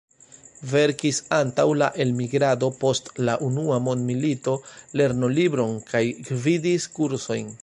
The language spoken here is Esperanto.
Verkis antaŭ la elmigrado post la Unua Mondmilito lernolibron kaj gvidis kursojn.